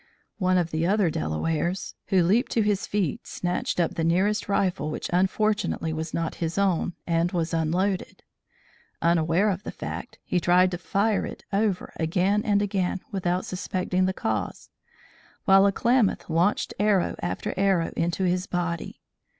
One of the other Delawares who leaped to his feet snatched up the nearest rifle which unfortunately was not his own, and was unloaded. Unaware of the fact, he tried to fire it over again and again, without suspecting the cause, while a Klamath launched arrow after arrow into his body.